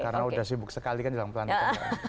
karena sudah sibuk sekali kan dalam pelantikan